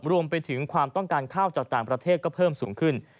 รวมไปถึงความต้องการข้าวจากต่างประเทศก็เพิ่มสูงขึ้น